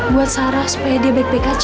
buat sarah supaya dia baik baik saja